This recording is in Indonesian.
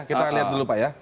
kita lihat dulu pak ya